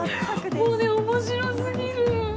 もうね面白すぎる。